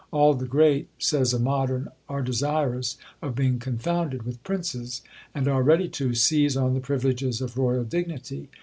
All the great, says a modern, are desirous of being confounded with princes, and are ready to seize on the privileges of royal dignity.